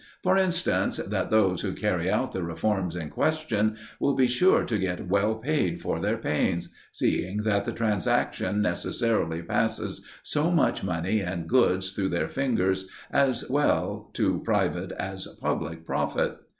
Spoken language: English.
For instance, that those who carry out the reforms in question will be sure to get well paid for their pains; seeing that the transaction necessarily passes so much money and goods through their fingers, as well to private, as public profit.